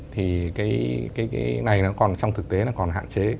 thì cái này trong thực tế nó còn hạn chế